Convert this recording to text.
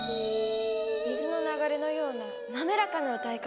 水の流れのような滑らかな歌い方。